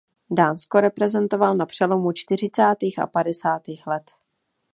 Dánsko reprezentoval na přelomu čtyřicátých a padesátých let.